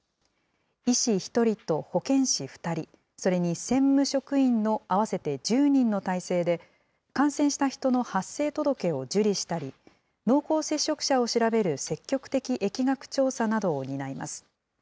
医師１人と保健師２人、それに専務職員の合わせて１０人の体制で、感染した人の発生届を受理したり、濃厚接触者を調べる積極的疫学調査などを担います。